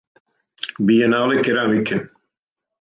Бијенале керамике.